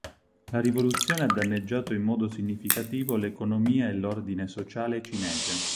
La rivoluzione ha danneggiato in modo significativo l'economia e l'ordine sociale cinese.